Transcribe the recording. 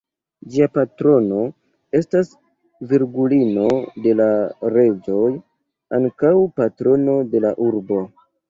Ĝia patrono estas Virgulino de la Reĝoj, ankaŭ patrono de la urbo.